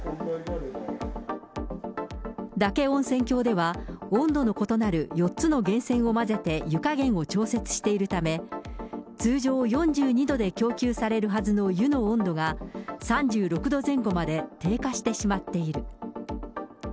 嶽温泉郷では、温度の異なる４つの源泉を混ぜて湯加減を調節しているため、通常４２度で供給されるはずの湯の温度が、３６度前後まで低下してしまっている。